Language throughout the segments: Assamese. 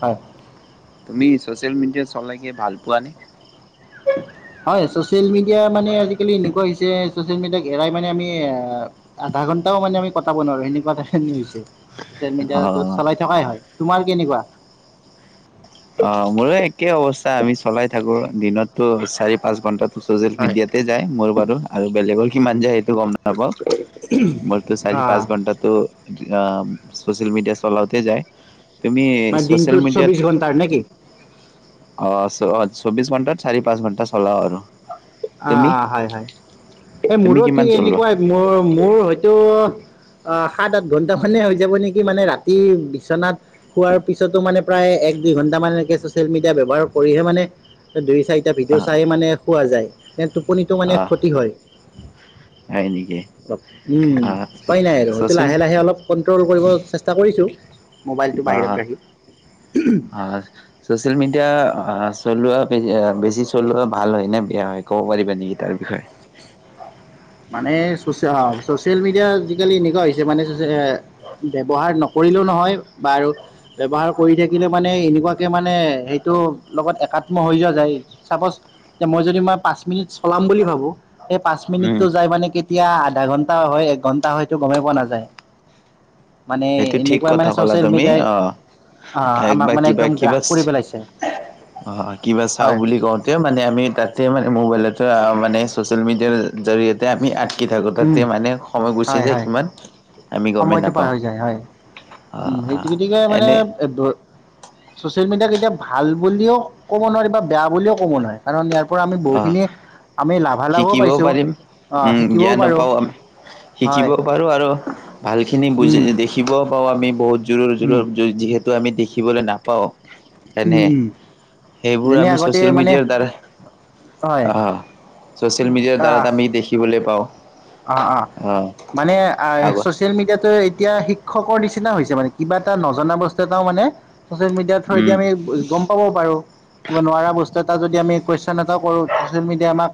হয় তুমি চচে ছ'চিয়েল মিডিয়াত চলাইগে ভাল পোৱা নে হয় চচেল মিডিয়া মানে আজিকালি এনেকুৱা হৈছে চচিয়েল মিডিয়াক এৰা মানে আমি আধা ঘন্টাও মানে আমি কটাব নোৱাৰো এনেকুৱা এটা হৈছে চচিয়েল মিডিয়াটো অ', চলাই থকাই হয় তোমাৰ কেনেকুৱা অ মোৰো একে অৱস্থা আমি চলাই থাকো দিনততো চাৰি পাঁচ ঘন্টাত ছচিয়েল হয় মিডিয়াতে যাই মোৰ বাৰু আৰু বেলেগৰ কিমান যায় সেইটো গ'ম নাপাওঁ মোৰোতো চাৰে পাঁচ অঁ ঘণ্টাটো চ'চিয়েল মিডিয়া চলাওঁতে যায় তুমি ম ছচিয়েল দিনটোত মিডিয়াত চৌবিশ ঘণ্টাৰ নে কি অ অ চৌবিশ ঘণ্টা চাৰি পাঁচ ঘন্টা চলাও আৰু অ তুমি অ হয় হয় এই তুমি মোৰো কি কিমান চলোৱা? এনেকুৱাই মোৰ মোৰ হয়তো অ সাত আঠ ঘন্টা মানে হৈ যাব নেকি মানে ৰাতি বিচনাত শোৱাৰ পিছতো মানে প্ৰায় এক দুই ঘন্টা মান একে চচিয়েল মিডিয়া ব্যৱহাৰ কৰিহে মানে দুই চ এতিয়া ভিডিঅ অ', চাই মানে পোৱা যায় এক টোপনিটো মানে অ', ক্ষতি হয় হয় নেকি অপ উম অ', উপাই নাই আৰু সেইটো ছচিয়েল লাহে লাহে অলপ কন্ট্ৰল কৰিব চেষ্টা কৰিছো অ অ ছচিয়েল মিডিয়া চলোৱা বেছি চলোৱা ভাল হয় নে বেয়া হয় ক'ব পাৰিবা নেকি তাৰ বিষয়ে মানে চচিয়েল মিডিয়া আজিকালি এনেকুৱা হৈছে মানে ব্যৱহাৰ নকৰিলেও নহয় বা ব্যৱহাৰ কৰি থাকিলেও মানে এনেকুৱাকে মানে সেইটো লগত একাত্ম হৈ যোৱা যায় চাপজ মই যদি মই পাঁচ মিনিট চলাম বুলি ভাবো এই পাঁচ মিনিট উম, মানে কেতিয়া আধা ঘন্টা হয় এক ঘন্টা হয় এইটো গমেই পোৱা নাযায় মানে সেইটো ঠিক এনেকুৱাই মানে কথা কলা ছ'চিয়েল তুমি মিডিয়াই অ আহ, আমাক একবাৰ মানে কিবা একদম গ্ৰাস কিবা কৰি পেলাইছে অ কিবা চাও হয় বুলি কওঁতে মানে আমি তাতে মানে মোবাইলতে মানে স'চিয়েল মিডিয়াৰ জৰিয়তে আমি আটকি থাকোঁ তাতে উম, মানে সময় গুচি হয় যায় হয় কিমান আমি গমেই সময়টো পাৰ নাপাওঁ হৈ যায় হয় উ অ', সেইটো অ', গতিকে মানে এনে চচিয়েল মিডিয়াক এতিয়া ভাল বুলিও ক'ব নোৱাৰি বা বেয়া বুলিও ক'ব নোৱাৰে কাৰণ ইয়াৰ পৰা আমি অ', বহুখিনি আমি লাভ শিকিবও পাৰিম উম জ্ঞান ও পাৰোঁ পাও আমি হয় শিকিবও পাৰো আৰু ভালখিনি বুজি উম দেখিব পাওঁ আমি বহুত জোৰৰ উম জোৰ যিহেতু আমি দেখিবলৈ নাপাওঁ উম এনেই উম সেইবোৰ যেনে আমি আগতে চচিয়েল মানে মিডিয়াৰ হয় দ্বাৰা অ চচিয়েল মিডিয়াৰ আহ দ্বাৰা আমি দেখিবলৈ পাওঁ অ অ আহ মানে আগত চচিয়েল মিডিয়াতটো এতিয়া শিক্ষকৰ নিচিনা হৈছে মানে কিবা এটা নজনা বস্তু এটাও মানে ছ'চিয়েল মিডিয়াৰ থ্ৰ যদি উম আমি গম পাব পাৰোঁ কিব নোৱাৰা বস্তু এটা যদি আমি কুৱেশ্যন এটাও কৰোঁ ছ'চিয়েল মিডিয়াই আমাক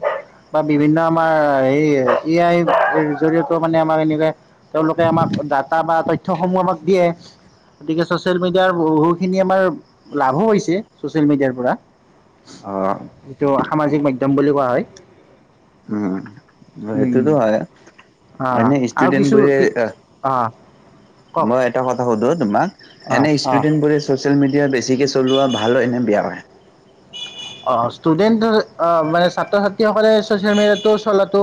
বা বিভিন্ন আমাৰ এই এ আইৰ জৰিয়তে মানে আমাক এনেকে তেওঁলোকে আমাক ডাটা বা তথ্যসমূহ আমাক দিয়ে গতিকে চচিয়েল মিডিয়াৰ বহুখিনি আমাৰ লাভো হৈছে ছচিয়েল মিডিয়াৰ পৰা অ যিটো সামাজিক মাধ্যম বুলি কোৱা হয় উম উম, সেইটোতো হয় অ' এনে আৰু ষ্টুডেন্ট কিছু বোৰে কি অ' কওক মই এটা কথা সুধো তোমাক অ' এনে অ'। ষ্টুডেণ্ট বোৰে চচিয়েল মিডিয়াৰ বেছিকে চলোৱা ভাল হয় নে বেয়া হয় অ ষ্টুডেণ্ট মানে ছাত্ৰ ছাত্ৰীসকলে চচিয়েল মিডিয়াটো চলাটো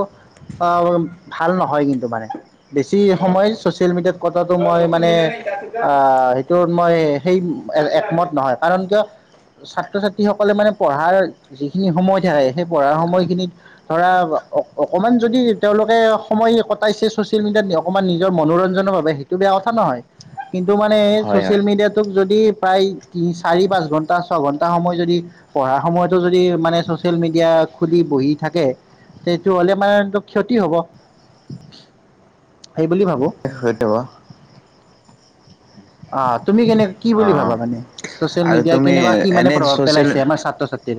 ভাল নহয় কিন্তু মানে বেছি সময় চচিয়েল মিডিয়াত কটোৱা মই মানে আহ সেইটো মই সেই একমত নহয় কাৰণ কিয় ছাত্ৰ ছাত্ৰি সকলে মানে পঢ়াৰ যিখিনি সময় থাকে সেই পঢ়াৰ সময়খিনিত ধৰা অকণমান যদি তেওঁলোকে সময় কটাইছে ছচিয়েল মিডিয়াত অকমান নিজৰ মনোৰঞ্জনৰ বাবে সেইটো বেয়া কথা নহয় কিন্ত মানে হয় চচিয়েল হয় মিডিয়াত তোক যদি প্ৰায় তি চাৰি পাঁচ ঘন্টা ছয় ঘন্টা সময় পঢ়া সময়তো যদি মানে চচিয়েল মিডিয়া খুলি বহি থাকে তেনে হলে মানে ক্ষতি হব সেইটো ভাবো সেইটোৱে অ তুমি কেনেকা কি বুলি ভাবা মানে চচিয়েল আৰু মিডিয়াই তুমি কেনেকুৱা কি মানে এনে প্ৰভাৱ ছচিয়েল পেলাইছে আমাৰ ছাত্ৰ ছাত্ৰীৰ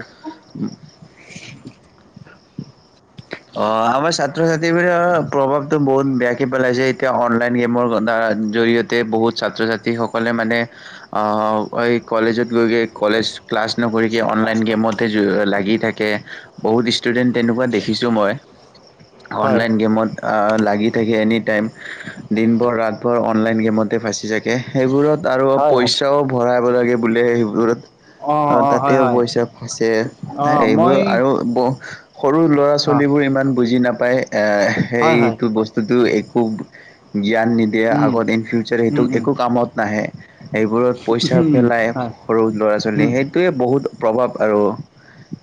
অ আমাৰ চাত ছাত্ৰ ছাত্ৰীৰ প্ৰভাৱটো বহুত বেয়াকে পেলাইছে এতিয়া অনলাইন গেমৰ দ্বাৰা জৰিয়তে বহুত ছাত্ৰ ছাত্ৰীসকলে মানে আহ এই কলেজত গৈ গৈ কলেজ ক্লাছ নকৰিকে অনলাইন গেমতে যো লাগি থাকে কে বহুত ইষ্ট ষ্টুডেণ্ট তেনেুৱা দেখ দেখিছোঁ মই হয় অনলাইন গমেত অ লাগি লাগি তাকে এনিটাইম উ উ দিন ভৰ ৰাত ভৰ অনলাইন গেমত এ ফাঁচি থাকে কে সেইবোৰত আৰু হয় হয় পইচাও ভৰাই দিব লাগে বুলে সেইবোৰত অ তাতেও পইচা পাইছে অ এইবোৰ মই আৰু ব সৰু ল'ৰা ছোৱা অ চলিবোৰ ইমান বুজি নাপায় পায় অ অ হয় হয় সেইটো বস্তুটো এটো খুব উ জ্ঞান নিদিয়ে উম আগত ইন ফিউচাৰ সেইটো উম একো কামত নাহে এইবোৰত পইচা উম পেলাই হয় সৰু ল'ৰা ছোৱালী উম সেইটোয়ে বহুত প্ৰভাৱ আৰু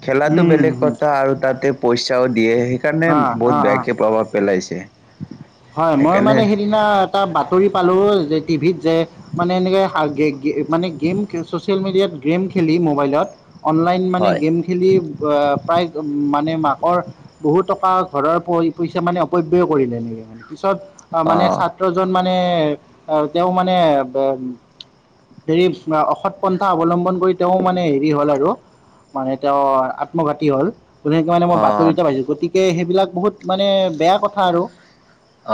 খেলাটো উম বেলেগ উম কথা আৰু তাতে পইচ [unintelligible] দিয়ে সেইকাৰণে অ অ বহুত অ বেয়াকে প্ৰভাৱ পেলাইছ কে হয় মই মানে সেইদিনা এটা বাতৰি পালো যে টিভিত যে মানে এনেকে মানে গে গে গেম চচিয়েল মিডিয়াত গেম খেলি মোবাইলত অনলাইন মানে হয় গেম খেলি বা প্ৰায় মানে মাকৰ বহুত টকা ঘৰৰ পইচা মানে অপব্যয় কৰিলে এনেকে মানে পিছত অ মানে ছাত্ৰজন ম মানে অ তেওঁ মানে বা অ হেৰি অসৎ পন্থা অৱলম্বন কৰি তেওঁ মানে হেৰি হ'ল আৰু মানে তেওঁ আত্মঘাতী হল এবিলাকে মানেই অ বাতৰি এটা পাইছো গতিকে সেই এইবিলাক বহুত মানে বেয়া কথা আৰু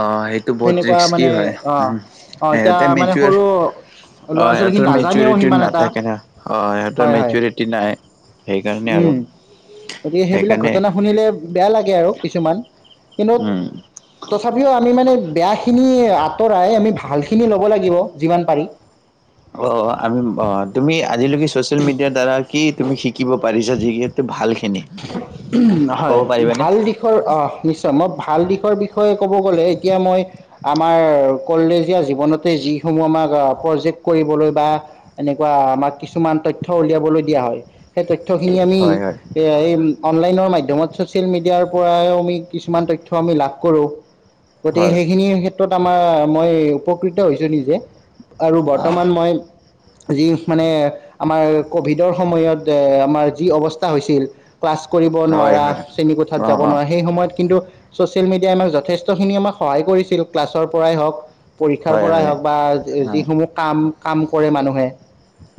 আহ সেইটো বহুত সেনেকুৱা ৰিস্কি মানে হয় অ অ এতিয়া সিহঁতে ম মানে অ সৰু ল'ৰা ছোৱালীখিনি সিহঁতৰ মেচউ নাজানেও মেচউৰিটি সিমান এটা নাথাকে ন অ সিহঁতৰ হয় হয় মেচউৰিটি নাই সেইকাৰণে আৰু উম গতিকে সেইবিলাক সেইকাৰণে ঘটনা কিন্ত উম তথাপ আমি মানে বেয়া খিনি আঁতৰাই আমি ভাল খিনি ল'ব লাগিব যিমান পাৰি অঁ অঁ আমি অঁ তুমি আজিলৈকে ছ'চিয়েল মিডিয়াৰ দ্বাৰা কি তুমি শিকিব পাৰিছা যিহেতু ভাল উ নহয় ভাল দিশৰ অঁ নিশ্চয় মই ভাল দিশ বিষয়ে ক'ব গলে এতিয়া মই আমাৰ কলেজ জীৱনতে যিসমূহ আমাক প্ৰজেক্ট কৰিবলৈ বা এনেকুৱা আমাক কিছুমান তথ্য উলিয়াবলৈ দিয়া হয় সেই ত খিনি আমি হয় হয় অনলাইনৰ মাধ্যমত চচিয়েল মিডিয়াৰ পৰা আমি কিছুমান তথ্য আমি লাভ কৰো গতিকে হয় সেইখিনিৰ ক্ষেত্ৰত ত্ৰত আমাৰ মই উপকৃত হৈছো নিজে আৰু অ বৰ্তমান মই যি মানে আমাৰ কভিডৰ সময়ত এ আমাৰ যি অৱস্থা হৈছিল ক্লাছ কৰিব হয় নোৱাৰা হয় শ্ৰেণীকোঠাত অ যাব অ নোৱাৰা সেই সময়ত কিন্তু চচিয়েল মিডিয়াই আমাক যথেষ্টখিনি আমাক সহায় কৰিছিল ক্লাছৰ পৰাই হওক পৰীক্ষাৰ হয় পৰাই হয় হওক বা অ যিসমূহ কাম কাম কৰে মানুহে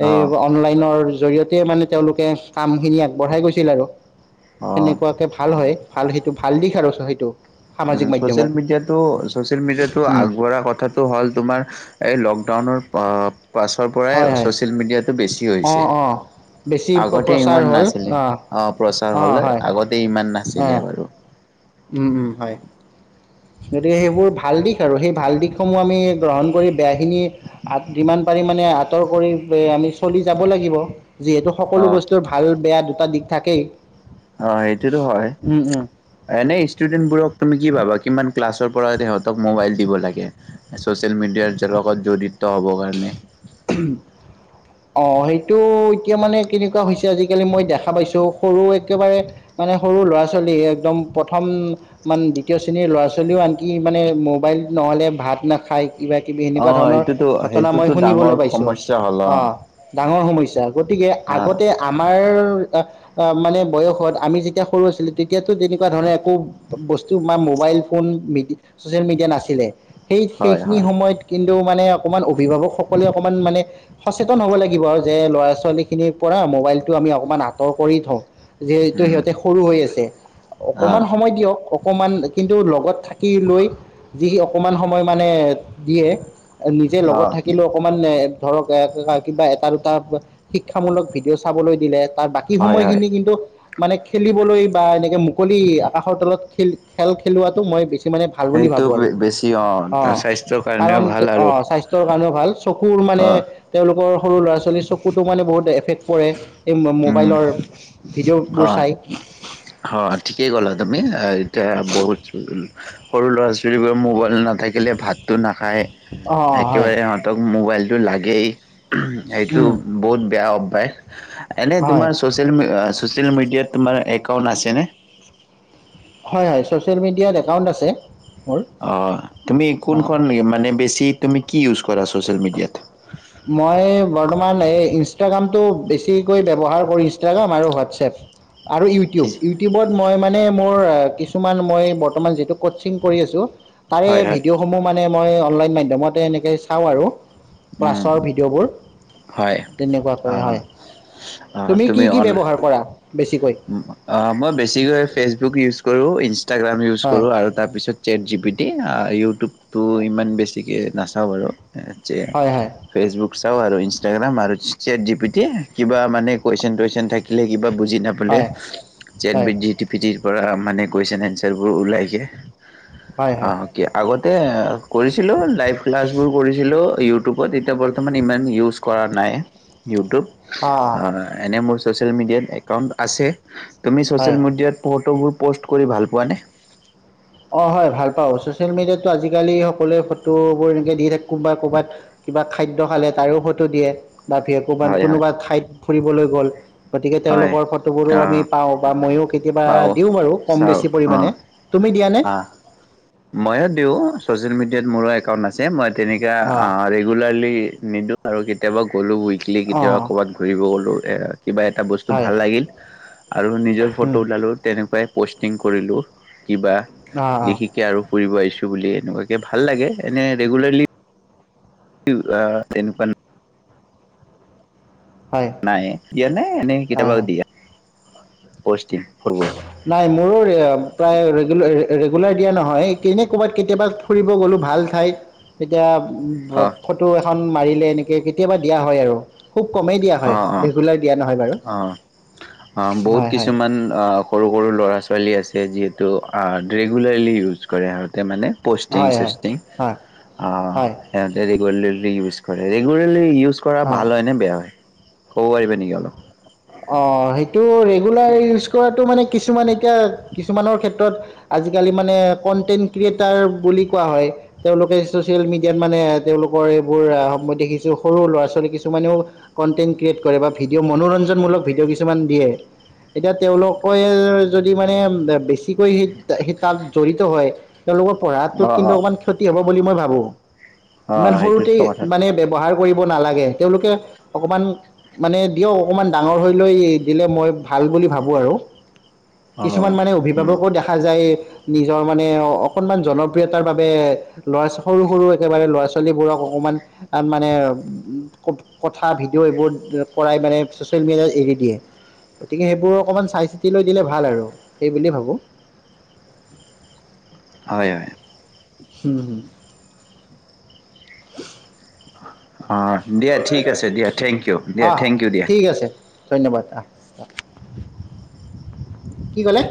এই অ অনলাইনৰ জৰিয়তে মানে তেওঁলোকে কাম খিনি আগবঢ়াই গৈছে ছিল আৰু অ সেনেকুৱাকে ভাল হয় ভাল সেইটো ভাল দিশ আৰু সেইটো সামাজিক মাধ্যমৰ চচিয়েল মিডিয়াতো চচিয়েল মিডিয়াতো উম, আগবঢ়া কথাটো হল তোমাৰ এই লকডাউনৰ পাছৰ পৰাই হয় হয় ছ'চিয়েল মিডিয়াটো বেছি হৈছে অঁ অঁ বেছি আগতে প্ৰচাৰ ইমান হ'ল নাছিলে অঁ প্ৰচাৰ অঁ হ'লে হয় আগতে ইমান নাছিলে অ' বাৰু উম উম হয় গতিকে সেইবোৰ ভাল দিশ আৰু সেই ভাল দিশসমূহ আমি গ্ৰহণ কৰি বেয়াখিনি যিমান পাৰি মানে আঁতৰ কৰি আমি চলি যাব লাগিব যিহেতু অ সকলো বস্তুৰ ভাল বেয়া দুখ এটা দিশ থাকেই অঁ সেইটোতো হয় উম উম এনে ষ্টুডেন্ট বোৰক তুমি কি ভাবা কিমান ক্লাছৰ পৰা তেহঁতক মোবাইল দিব লাগে ছ'চিয়েল মিডিয়াৰ লগত জড়িত হ'ব কাৰণে অঁ সেইটো এতিয়া মানে কেনেকুৱা হৈছে, আজিকালি মই দেখা পাইছোঁ সৰু একেবাৰে মানে সৰু ল'ৰা-ছোৱালী একদম প্ৰথম মানে দ্বিতীয় শ্ৰেণীৰ ল'ৰা-ছোৱালীও আনকি মানে মোবাইল নহ'লে ভাত নাখায়। কিবা কিবি অ সেনেকুৱা ধৰণৰ সেইটোতো ঘটনা মই সেইটোতো ডাঙৰ শুনিবলৈ পাইছো। সমস্যা হ'ল অ' ডাঙৰ সমস্যা গতিকে আগতে আমাৰ মানে বয়সত আমি যেতিয়া সৰু আছিলো তেতিয়ো তেনেকুৱা ধৰণৰ একো বস্তু বা মোবাইল ফোন চচিয়েল মিডিয়া নাছিলে। সেই হয় সেইখিনি হয় সময়ত কিন্তু মানে অকণমান অভিভাৱকসকলে অকণমান মানে সচেতন হব লাগিব যে, লৰা--ছোৱালী খিনিৰ পৰা মোবাইলটো আমি অকমান আঁতৰ কৰি থওঁ। যিহেতু উম সিহঁতে সৰু হৈ আছে। অ অকমান সময় দিয়ক অকমান কিন্তু লগত থাকি লৈ যি অকমান সময় মানে দিয়ে, নিজে অ লগত থাকিলেও অকণমান ধৰক কিবা এটা দুটা শিক্ষামূলক ভিডিঅ' চাবলৈ দিলে, তাৰ বাকী হয় হয় সময়খিনি কিন্তু মানে খেলিবলৈ বা এনেকে মুকলি আকাশৰ তলত খেল-খেল, খেলোৱাাতটো মই বেছি মানে ভাল বুলি সেইটো ভাবোঁ আৰু বেছি অ' স্বাস্থ্যৰ কাৰণ কাৰণেও ভাল। আৰু অ' স্বাস্থ্যৰ কাৰণেও ভাল চকুৰ মানে অ তেওঁলোকৰ সৰু ল'ৰা-ছোৱালী চকুতো মানে বহুত এফেক্ট পৰে। এই উম মোবাইলৰ ভিডিঅ'বোৰ হয় চাই হয় ঠিকেই ক'লা তুমি, এ বহুত সৰু ল'ৰা-ছোৱালীবোৰে মোবাইল নাথাকিলে ভাতো না খায় অ' একেবাৰে, হয় সিহঁতক মোবাইল সটো লাগেই সেইটো বহুত বেয়া, অ্ বাই [unintelligible] এনে হয় তোমাৰ চচিয়েল ছ'চিয়েল মিডিয়াত তোমাৰ একাউণ্ট আছেনে? হয়-হয় ছ'চিয়েল মিডিয়াত একাউণ্ট আছে, মোৰ অ' তুমি অঁ কোনখন মানে বেছি বেছি তুমি কি ইউজ কৰা ছ'চিয়েল মিডিয়াত? মই বৰ্তমান এই ইনষ্টাগ্ৰামটো বেছিকৈ ব্যৱহাৰ কৰো ইনষ্টাগ্ৰাম আৰু হোৱাটছএপ। আৰু ইউটিউব-ইউটিউবত মই মানে মোৰ কি কিছুমান মই বৰ্তমান যিটো কচিং কৰি আছো। তাৰে হয় হয় ভিডিঅ'সমূহ মানে মই অনলাইন। [inaudible] মাধ্যমতে এনেকে চাওঁ আৰু। [inaudible] হয়। [inaudible] ক্লাছৰ ভিডিঅ'বোৰ অ তেনেকুৱাকৈ হয় তুমি কি কি ব্যৱহাৰ কৰা। [inaudible] ওম অ মই বেছিকৈ ফেচবুক ইউজ কৰো। ইনষ্টাগ্ৰাম ইউচ হয় কৰোঁ আৰু তাৰপিছত। চেট জি পি টি ইউটিউবটো ইমান বেছিকে নাচাওঁ বাৰু। এ যে হয় হয় ফেচবুক। চাবা বাৰু ইনষ্টাগ্ৰাম আৰু চেট জি পি টি কিবা মানে কোৱেইছন টোৱেইছন থাকিলে কিবা বুজি। বোলে হয় চেট হয় জি টি পি। পৰা মানে কুৱেশ্যন এনচাৰবোৰ ওলাই যে। হয় অ হয় কি আগত। তেওঁ। কৰিছিলো লাইভ ক্লাছবোৰ কৰিছিলো ইউটিউব। ইউটিউবত এতিয়া বৰ্তমান ইমান ইউজ কৰা নাই ইউটিউব। অঁ অঁ অ এনে মোৰ। ছ'চিয়েল মিডিয়াত একাউণ্ট। আছে তুমি'চিয়েল হয় মডিয়াত ফটোবোৰ। পষ্ট কৰি ভাল পোৱা নে । অ হয় হয় ছচিয়েল মিডিয়াতো আজিকালি সকলোৱে ফটোবোৰ এনেকে দি থাকে কোনোবা ক'বাত কিবা খাদ্য খালে তাৰো ফটো দিয়ে। বাকি কবাত হয় হয়। কোনোবা ঠাইত ফুৰিবলৈ গ'ল। গতিকে হয়। তেওঁলোকৰ ফটোবোৰো আমি অ' পাওঁ বা ময়ো। কেতিয়াবা পাওঁ দিওঁ বাৰু কম বেছি পৰিমানে তুমি দিয়া নে। অহ মইও দিওঁ ছচিয়েল মিডিয়াত। মোৰো একাউণ্ট আছে মই। তেনেকা অ ৰেগুলাৰলি। নিদিওঁ আৰু কেতিয়াবা গ'লো বুলি। খিলি কেতিয়াও অ' ঘূৰিবও গলো এ কিবা এটা বস্তো হয় ভাল লাগিল আৰু নিজৰ ফটো। ফটো উম উলালো তেনেকুৱাই। প'ষ্টিং কৰিলোঁ উঃ। কিবা অ' অ' লিখিকে আৰু ফুৰিব আহিছোঁ। বুলি এনেকুৱাকে ভাল লাগে এনে ৰেগুলাৰলি আহ এনেকুৱা হয় নাই দিয়া নাই এনেই হয় কেতিয়াবা হয় দিয়া নাই মোৰো প্ৰায় ৰেগুলাৰ দিয়া নহয় এনেই ক'ৰবাত কেতিয়াবা ফুৰিব গ'লো ভাল ঠাইত এতিয়া অ ফটো এখন মাৰিলে এনেকে কেতিয়াবা দিয়া হয় আৰু খুব কমেই দিয়া অ হয় অ ৰেগুলাৰ দিয়া নহয় বাৰু অ অ বহুত হয় হয় কিছুমান সৰু সৰু ল'ৰা ছোৱালী আছে যিহেতু ৰেগুলাৰলি ইউজ কৰে সিহঁতে মানে পষ্টিং হয় চষ্টিং হয় হয় ৰেগুলাৰলি ইউজ কৰে ৰেগুলাৰলী ইউচ ইউচ কৰা ভাল হয় নে বেয়া হয় ক'ব পাৰিবি নেকি অলপ অঁ সেইটো ৰেগুলাৰলি ইউজ কৰাতটো মানে কিছুমান এতিয়া কিছুমানৰ ক্ষেত্ৰত আজিকালি মানে কন্টেণ্ট ক্ৰিয়েটাৰ বুলি কোৱা হয় তেওঁলোকে ছ'চিয়েল মিডিয়াত মানে তেওঁলোকৰ এইবোৰ মই দেখিছোঁ সৰু ল'ৰা ছোৱালী কিছুমানেও কণ্টেণ্ট ক্ৰিয়েট কৰে বা ভিডিঅ' মনোৰঞ্জন ভিডিঅ' কিছুমান দিয়ে এতিয়া তেওঁলোকে যদি মানে বেছিকৈ সেই তাত জড়িত হয় তেওঁলোকৰ পঢ়াটোত অ কিন্তু অ অকণমান ক্ষতি হ'ব বুলি মই ভাবো অ ইমান সৰুতে সেইটোতো কথা ঠিক মানে ব্যৱহাৰ কৰিব নালাগে তেওঁলোকে অকমান মানে দিয়ক অকণমান ডাঙৰ হৈ লৈ দিলে মই ভাল বুলি ভাবোঁ আৰু অ কিছুমান মানে উম অভিভাৱকো দেখা যায় নিজৰ মানে অকনমান জনপ্ৰিয়তাৰ বাবে ল'ৰা সৰু সৰু একেবাৰে ল'ৰা ছোৱালীবোৰক অকমান মানে উ কথা ভিডিঅ' এইবোৰ কৰাই মানে ছ'চিয়েল মিডিয়াত এৰি দিয়ে গতিকে সেইবোৰ অকণমান চাই চিতি লৈ দিলে ভাল আৰু সেই বুলিয়ে ভাবোঁ হয় হয় হুম হম অ অঁ দিয়া ঠিক আছে দিয়া থেংক ইউ দিয়া থেংক ইউ দিয়া আহ আহ কি কলে